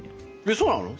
そうなの？